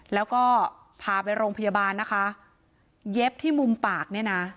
แล้วก็พาไปโรงพยาบาลนะคะเย็บที่มุมปากเนี่ยนะ